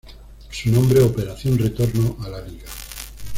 Su nombre "Operación Retorno a la Liga".